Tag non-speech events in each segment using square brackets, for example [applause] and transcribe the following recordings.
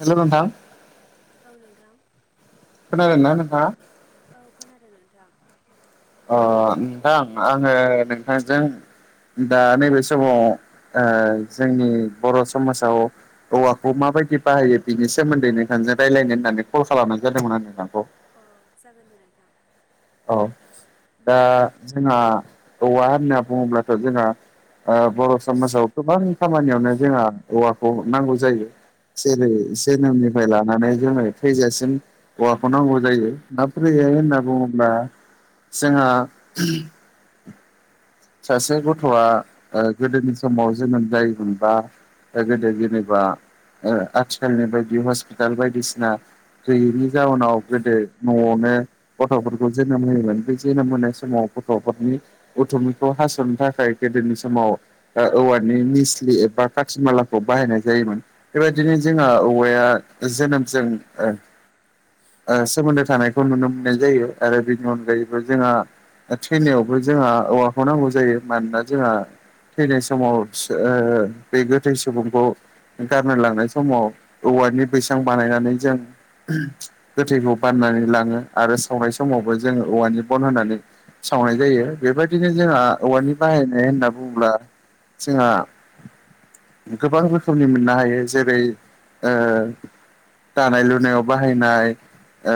Hello नोंथां। औ नोंथां। खोनादोंना नोंथाङा? औ खोनादों नोंथां। अ नोंथां आङो नोंथांजों दा नैबे ओ समाव ओ जोंनि बर' समाजाव औवाखौ माबायदि बाहायो बिनि सोमोन्दै नोंथांजों रायलायनो होननानै कल खालामनाय जादोंमोन आरो नोंथांखौ। अ' जागोन दे नोंथां। औ दा जोंहा औवा होनना बुङोब्लाथ' जोंहा ओ बर' समाजाव गोबां खामानियावनो जोंहा औवाखौ नांगौ जायो। जेरै औ जोनोमनिफ्राय लानानै जोङो थैजासिम औवाखौ नांगौ जायो। माब्रै हाय औ होनना बुङोब्ला जोंहा सासे गथ'आ ओ गोदोनि समाव जोनोम जायोमोनबा गोदो जेनेबा ओ आथिखालनि बायदि हस्पिटाल बायदिसिना गैयैनि जाउनाव गोदो न'आवनो गथ'फोरखौ जोनोम होयोमोन, बे जोनोम होनाय समाव गथ'फोरनि अथुमै खौ हास'नो थाखाय गोदोनि समाव ओ औवानि मिस्लि एबा खाथि मालाखौ बाहायनाय जायोमोन। बेबायदिनो जोंहा औवाया जोनोमजों ओ ओ सोमोन्दो थानायखौ नुनो मोननाय जायो, आरो बेनि अनगायैबो जोंहा थैनायावबो जोंहा औवाखौ नांगौ जायो मानोना जोंहा थैनाय समाव ओ बे गोथै सुबुंखौ गारनो लांनाय समाव औवानि बैसां बानायनानै जों गोथैखौ बाननानै लाङो आरो सावनाय समावबो जोङो औवानि बन होनानै सावनाय जायो बेबायदिनो जोंहा औवानि बाहायनाय होनना बुङोब्ला जोंहा गोबां रोखोमनि मोननो हायो जेरै ओ दानाय लुनायाव बाहायनाय ओ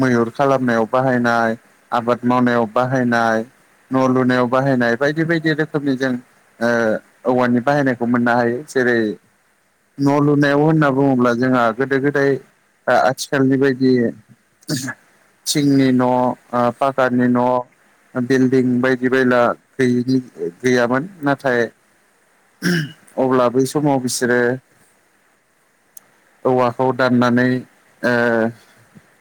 मैहुर खालामनायाव बाहायनाय, आबाद मावनायाव बाहायनाय न' लुनायाव बाहायनाय बायदि बायदि रोखोमनि जों ओ औवानि बाहायनायखौ मोननो हायो जेरै न' लुनायाव होनना बुङोब्ला जोंहा गोदो गोदाय ओ आथिखालनि बायदि थिंनि न' ओ फाकानि न' बिल्डिं बायदि बायला गैयिनि गैयामोन नाथाय अब्ला बै समाव बिसोरो औवाखौ दाननानै ओ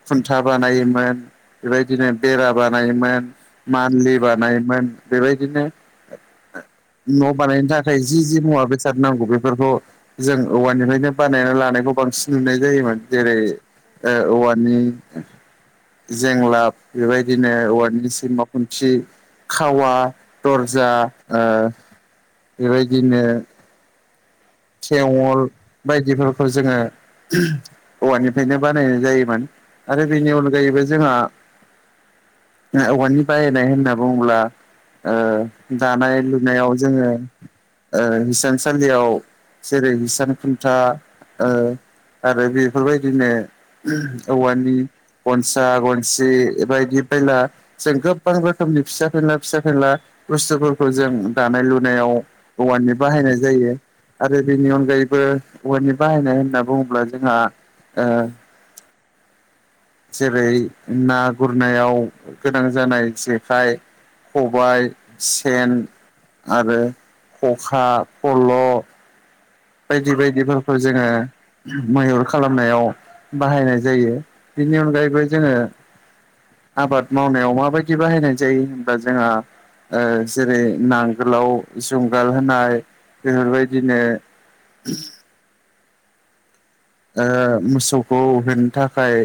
खुन्था बानायोमोन बेबायदिनो बेरा बानायोमोन मानलि बानायोमोन बेबायदिनो न' बानायनो थाखाय जि जि मुवा बेसाद नांगौ बेफोरखौ जों औवानिफ्रायनो बानायना लानायखौ बांसिन नुनाय जायोमोन जेरै ओ औवानि जेंलाब बेबायदिनो औवानि [unintelligible] [unintelligible] खावा दर्जा ओ बेबायदिनो थेवल बायदिफोरखौ जोङो औवानिफ्रायनो बानायनाय जायोमोन आरो बेनि अनगायैबो जोंहा औवानि बायायनाय होनना बुङोब्ला ओ दानाय लुनायाव जोङो हिसानसालियाव जेरै हिसान खुन्था आरो बेफोरबायदिनो औवानि गनसा गनसे बेबायदि बैला जों गोबां रोखोमनि फिसा फेनला फिसा फेनला बुस्थुफोरखौ जों दानाय लुनायाव औवानि बाहायनाय जायो आरो बेनि उम अनगायैबो औवानि बाहायनाय होनना बुङोब्ला जोंहा जेरै ना गुरनायाव गोनां जानाय जेखाइ खबाय सेन आरो खखा फल' बायदि बायदिफोरखौ जोङो मैहुर खालामनायाव बाहायनाय जायो बिनि अनगायैबो जोङो आबाद मावनायाव माबायदि बाहायनाय जायो होनबा जोंहा ओ जेरै नांगोलाव जुंगाल होनाय बेफोरबायदिनो उ ओ मोसौखौ होननो थाखाय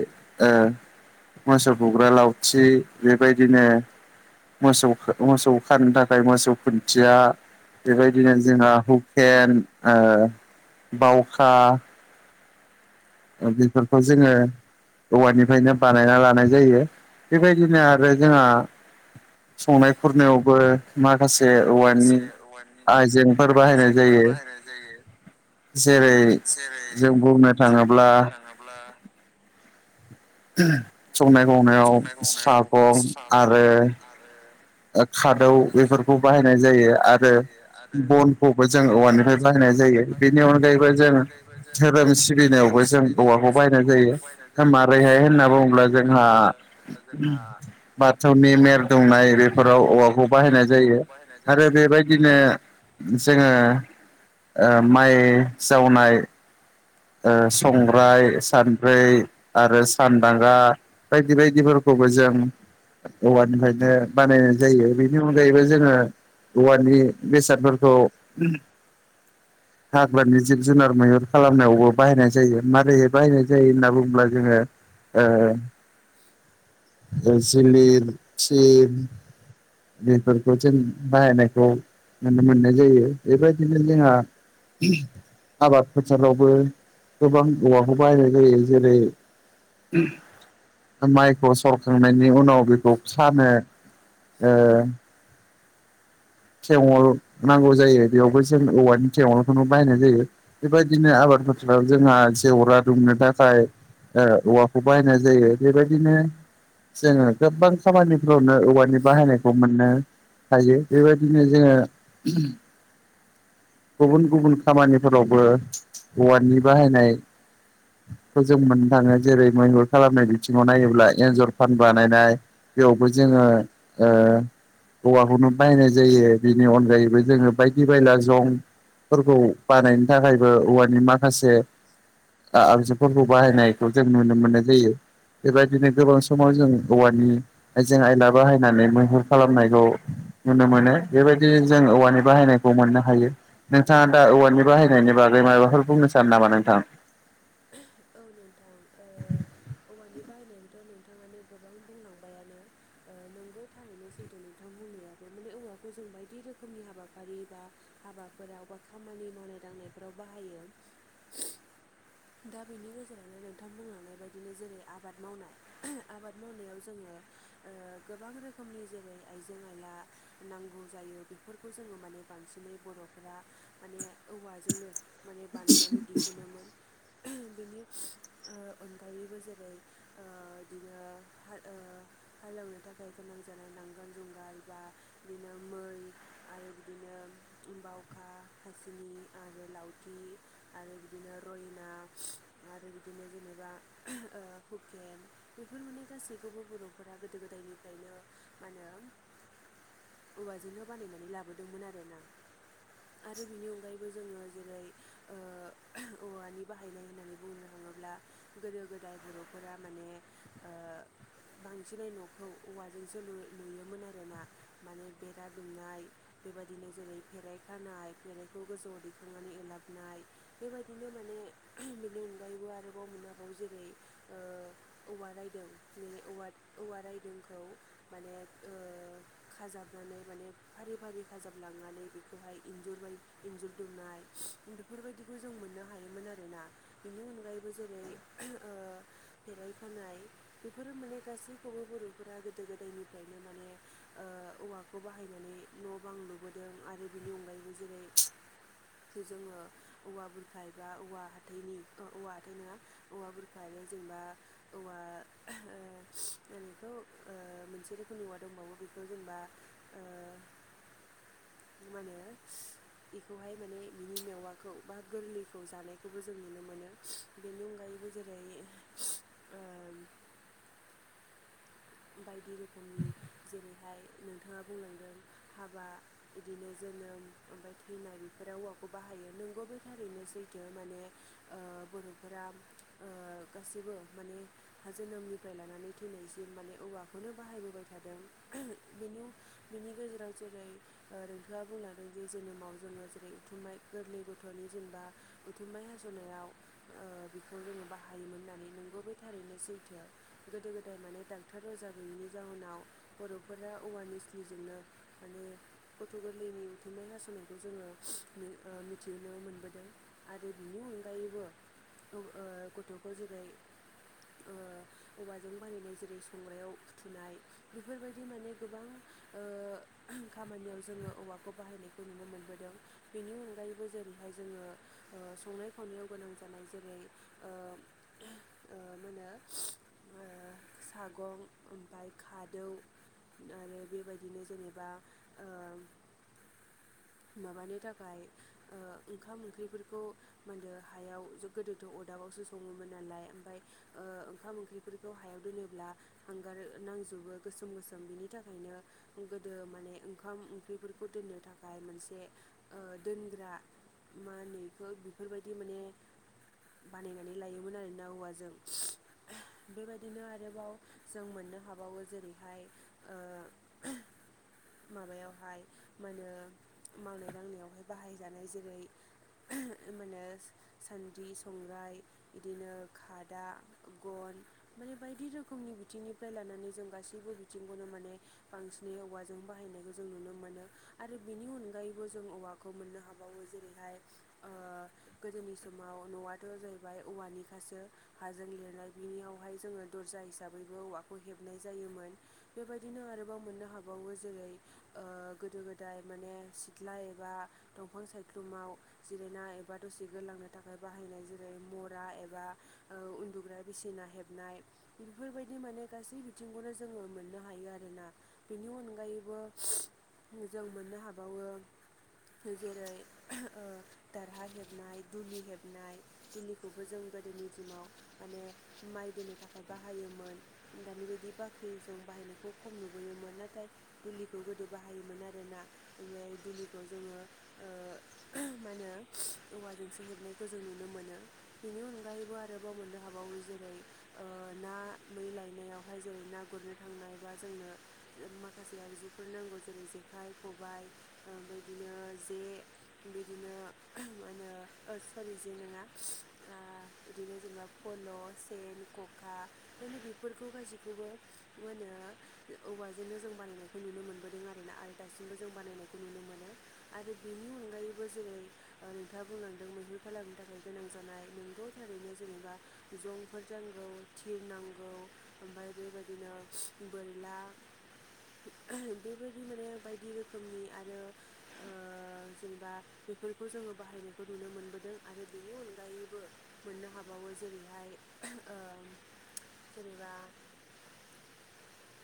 ओ मोसौ बुग्रा लावथि बेबायदिनो मोसौ मोसौ खानो थाखाय मोसौ खुन्थिया बेबायदिनो जोंहा हुकेन ओ बावखा बेफोरखौ जोङो औवानिफ्रायनो बानायना लानाय जायो बेबायदिनो आरो जोंहा संनाय खुरनायावबो माखासे औवानि माखासे औवानि आइजेंफोर बाहायनाय आइजेंफोर जायो बाहायनाय जायो जेरै जेरै जों बुंनो जों थाङोब्ला बुंनो थाङोब्ला संनाय खावनायाव संनाय खावनायाव सागं सागं आरो आरो खादौ बेफोरखौ खादौ बाहायनाय बेफोरखौ जायो बाहायनाय आरो जायो आरो बनखौबो जों बनखौबो औवानिफ्राय जों बाहायनाय जायो औवानिफ्राय बाहायनाय बेनि जायो अनगायैबो बेनि जों अनगायैबो जों धोरोम धोरोम सिबिनायावबो जों सिबिनायावबो औवाखौ जों बायनाय औवाखौ बाहायनाय जायो मारैहाय दा होनना मारैहाय बुङोब्ला होनना जोंहा बुङोब्ला जोंहा बाथौनि मेर दुमनाय बाथौनि मेल बेफोराव दंनाय औवाखौ बेफोराव बाहायनाय जायो औवाखौ बाहायनाय आरो जायो बेबायदिनो आरो जोङो ओ माइ जावनाय ओ संग्राय सानब्रै आरो सानदांगा बायदि बायदिफोरखौबो जों औवानिफ्रायनो माने जायो बेनि अनगायैबो जोङो औवानि बेसादफोरखौ हाग्रानि जिब जुनार मैहुर खालामनायावबो बाहायनाय जायो मारै बाहायनाय जायो होनना बुङोब्ला जोङो ए जलिर थिल बेफोरखौ जों बाहायनायखौ नुनो मोननाय जायो बेबायदिनो जोंहा आबाद फोथारावबो गोबां औवाखौ बाहायनाय जायो जेरै माइखौ सरखांनायनि उनाव बेखौ सानो ओ थेवल नांगौ जायो बेयावबो जों औवानि थेवलखौनो बाहायनाय जायो। बेबायदिनो आबाद फोथाराव जोंहा जेवरा दुमनो थाखाय ओ औवाखौ बाहायनाय जायो बेबायदिनो जोङो गोबां खामानिफ्रावनो औवानि बाहायनायखौ मोननो हायो। बेबायदिनो जोङो गुबुन गुबुन खामानिफोरावबो औवानि बाहायनाय खौ जों मोननो थाङो जेरै मैहुर खालामनाय बिथिङाव नायोब्ला एन्जर फान बानायनाय बेयावबो जोङो ओ औवाखौनो बाहायनाय जायो बेनि अनगायैबो जोङो बायदि बायला जं फोरखौ बानायनो थाखायबो औवानि माखासे आगजुफोरखौ बाहायनायखौ जों नुनो मोननाय जायो। बेबायदिनो गोबां समाव जों औवानि आइजें- आयला बाहायनानै मैहुर खालामनायल' नुनो मोनो बेबायदि जों औवानि बाहायनायखौ मोननो हायो। नोंथाङा दा औवनि बाहायनायनि बागै माबाफोर बुंनो सानो नामा नोंथां। औ नोंथां ओ औवानि बाहायनायनिथ' नोंथाङानो गोबां बुंलांबायानो ओ नोंगौ थारैनो जिथु नोंथां बुंनायाबो माने औवाखौ जों बायदि रोखोमनि हाबाफारि एबा हाबाफोराव बा खामानि मावनाय दांनायफोराव बाहायो। दा बेनि गेजेरावनो नोंथां बुंलांनाय बायदिनो जेरै आबाद मावनाय आबाद मावनायाव जोङो ओ गोबां रोखोमनि जेरै आइजें आइला नांगौ जायो बेफोरखौ जोङो माने बांसिनै बर'फोरा माने औवाजोंनो माने बानायनानै दिहुनोमोन। बेनि ओ अनगायैबो जेरै ओ इदिनो हार ओ हाल एवनो थाखाय गोनां जानाय नांगाल जुंगार बा बिदिनो मै आरो बिदिनो बावखा खासिनि आरो लावथि आरो बिदिनो रयना आरो बिदिनो जेनेबा ओ हुकेन बेफोर माने गासैखौबो बर'फोरा गोदो गोदायनिफ्रायनो मा होनो औवाजोंनो बानायनानै लाबोदोंमोन आरोना। आरो बिनि अनगायैबो जोङो जेरै ओ औवानि बाहायनाय होननानै बुंनो थाङोब्ला गोदो गोदाय बर'फोरा माने ओ बांसिनै न'खौ औवाजोंसो लु लुयोमोन आरोना माने बेरा दुमनाय बेबायदिनो जेरै फेराइ खानाय फेराइखौ गोजौआव दैखांनानै ओलाबनाय बेबायदिनो माने बेनि अनगायैबो आरोबाव मोनाबाव जेरै ओ औवा रायदों [unintelligible] औवा रायदोंखौ माने ओ खाजाबनानै माने फारि- फारि खाजाबलांनानै बेखौहाय इन्जुर इन्जुर दुमनाय बेफोरबायदिखौ जों मोननो हायोमोन आ रोना बिनि अनगायैबो जेरै ओ फेरायफानाय बेफोरो माने गासैखौबो बर'फोरा गोदो गोदायनिफ्रायनो माने ओ औवाखौ बाहायनानै न' बां लुबोदों आरो बेनि अनगायैबो जेरै जोङो औवा बुरखा एबा औवा हाथैयनि ओ औवा हाथैय नङा औवा बुरखा आरो जेनेबा औवा ओ मा होनो इखौ ओ मोनसे रोखोमनि औवा दंबावो बेखौ जेनेबा ओ मा होनो बेखौहाय माने बिनि मेवाखौ बा गोरलैखौ जानाय खौबो जों नुनो मोनो बेनि अनगायैबो जेरै ओ बायदि रोखोमनि जेरैहाय नोंथाङा बुंलांदों हाबा बिदिनो जोनोम ओमफफ्राय थैनाय बेफोराव औौवाखौ बाहायो नोंगौ बे थारैनो सैथो माने ओ बरोफोरा ओ गासिबो माने हा जोनोमनिफ्राय लानानै थैनायसिम माने औवाखौनो बाहायबोबाय थादों [unintelligible] बेनि बेनि गेजेराव जेरै ओ नोंथाङा बुंलांदों जि जोनोमाव जोङो जेरै उथुमबाय गोरलै गथ'नि जेनेबा उथुमाइ हास'नायाव ओ बेखौ जोङो बाहायोमोन होननानै नोंगौ बे थारैनो सैथो। गोदो गोदाय माने दां थार रजा गैयैनि जाहोनाव बर'फोरा अवारनेस्लिजोंनो माने गथ' गोरलैनि खुनाइ हास'नायखौ जोङो ओ मिथिहोननो मोनबोदों। आरो बिनि अनगायैबो दं ओ गथ'फोर जेरै ओ औवाजों बानायनाय जेरै संग्रायाव फुथुनाय बेफोरबायदि माने गोबां ओ खामानियाव जोङो औवाखौ बाहायनायखौ नुनो मोनबोदों। बेनि अनगायैबो जेरैहाय जोङो। ओ संनाय खावनायाव गोनां जानाय जेरै ओ [unintelligible] ओ मानो [unintelligible] सागं ओमफ्राय खादौ आरो बेबायदिनो जेनेबा ओ माबानो थाखाय ओ ओंखाम ओंख्रिफोरखौ दो हायाव गोदोथ' अरदाबावसो सङोमोन नालाय ओमफ्राय ओ ओंखाम ओंख्रिफोरखौ हायाव दोनो। ब्ला हांगार नांजोबो गोसोम गोसोम बिनि थाखायनो गोदो माने ओंखाम ओंख्रिफोरखौ दोननो थाखाय मोनसे ओ दोनग्रा मा होनो इखौ बेफोरबायदि माने बानायनानै लायोमोन आरोना हौवाजों बेबायदिनो आरो आरोबाव जों मोननो हाबावो जेरैहाय ओ माबायावहाय मा होनो मावनाय दांनायावहाय बाहायजानाय जेरै मानो सान्दि संग्राय बिदिनो खादा गन माने बायदि रोखोमनि बिथिंनिफ्राय लानानै जों गासैबो बिथिंखौनो माने बांसिनै औवाजों बाहायनायखौ जों नुनो मोनो आरो बेनि अनगायैबो जों औवाखौ खौ मोननो हाबावो जेरैहा‌‌य ओ गोदोनि समाव न'आथ' जाहैबाय औवानि खासो हाजों लिरनाय बिनियावहाय जोङो दरजा हिसाबैबो औवाखौ हेबनाय जायोमोन बेबायदिनो आरोबाव मोननो हाबावो जेरै ओ गोदो गोदाय माने सिथ्ला एबा दंफां सायख्लुमाव जिरायना एबा दसे गोलांनो थाखाय बाहायनाय जेरै मरा एबा ओ उन्दुग्रााया बिसिना हेबनाय बेफोरबायदि माने गासै बिथिंखौनो जोङो मोननो हायो आरोना। बेनि अनगायैबो जों मोननो हाबावो जेरै ओ दारहा हेबनाय दुलि हेबनाय दुलिखौबो जों गोदोनि दिनाव माने माइ दोनो थाखाय बाहायोमोन दानि बायदि बाख्रिजों बाहायनायखौ खम नुबोयोमोन नाथाय दुलिखौ गोदो बाहायोमोन आरोना ओमफ्राय दुलिखौ जोङो। ओ‌ मा होनो औवाजोंसो हेबनायखौ जों नुनो मोनो। बेनि अनगायैबो आरोबाव मोननो हाबावो जेरै ओ ना मै लायनायावहाय जेरै ना गुरनो थांनाय बा जोंनो माखासे आगजुफोर नांगौ जेरै जेखाइ खबाय ओ बादिनो जे बिदिनो मा होनो ओ सरि जे नङा बिदिनो जेनेबा पल' सेन खखा ओंखायनो बेफोरखौ गासैखौबो मा होनो औवाजोंनो जों बानायनाय खौ नुनो मोनबोदों आरो ना आरो दासिमबो जों बानायनायखौ नुनो मोनो आरो बेनि अनगायैबो जेरै ओ नोंथाङा बुंलांदों मैहुर खालामनो थाखाय गोनां जानाय। नंगौ थारैनो जेनेबा जंफोर नांगौ थिर नांगौ ओमफ्राय बेबायदिनो बोरला बेबायदि माने बायदि रोखोमनि आरो ओ जेनेबा बेफोरखौ जोङो बाहायनायखौ नुनो मोनबोदों आरो बेनि अनगायैबो मोननो हाबावो जेरैहाय ओ जेनेबा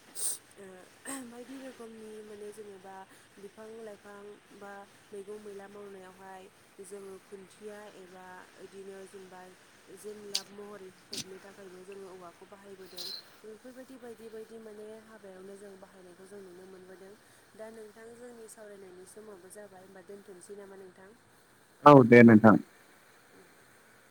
[unintelligible] ओ बायदि रोखोमनि माने जेनेबा बिफां लाइफां बा मैगं मैला मावनायावहाय जोङो खुन्थिया एबा बिदिनो जेनबा जेन लाब महरै हेबनो थाखायबो जोङो औवाखौ बाहायबोदों बेफोरबायदि बायदि बायदि बिदि माने हाबायावनो जों बाहायनायखौ जों नुनो मोनबोदों। दा नोंथां जोंनि सावरायनायनि समाबो जाबाय होमबा दोनथ'नोसै नामा नोंथां? औ दे नोंथां। उ